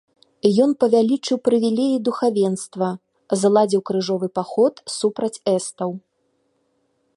Ён павялічыў прывілеі духавенства, зладзіў крыжовы паход супраць эстаў.